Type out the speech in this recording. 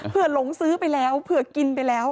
เพื่อหลงซื้อไปแล้วเผื่อกินไปแล้ว